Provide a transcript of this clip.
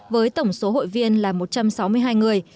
với tổng số hội viên là một trăm sáu mươi hai người